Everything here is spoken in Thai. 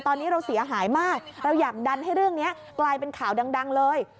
ตอนนี้เราเสียหายมากเราอยากดันให้เรื่องนี้กลายเป็นข่าวดังเลย